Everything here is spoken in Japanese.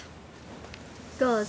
どうぞ。